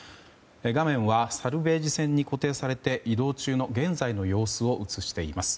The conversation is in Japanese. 画面はサルベージ船に固定されて移動中の現在の様子を映しています。